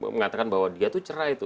mengatakan bahwa dia itu cerai itu